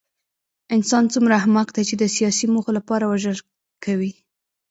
انسان څومره احمق دی چې د سیاسي موخو لپاره وژل کوي